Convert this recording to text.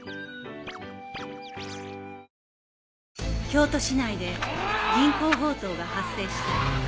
京都市内で銀行強盗が発生した